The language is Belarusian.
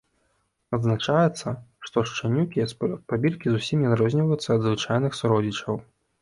Адзначаецца, што шчанюкі з прабіркі зусім не адрозніваюцца ад звычайных суродзічаў.